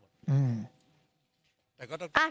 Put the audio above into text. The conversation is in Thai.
อืม